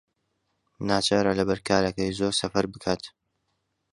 ناچارە لەبەر کارەکەی زۆر سەفەر بکات.